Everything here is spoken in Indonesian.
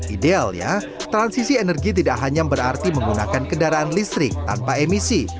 ideal ya transisi energi tidak hanya berarti menggunakan kendaraan listrik tanpa emisi